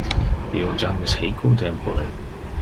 Io jam es hic un tempore.